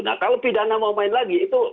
nah kalau pidana mau main lagi